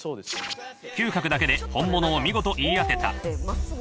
嗅覚だけで本物を見事言い当てた。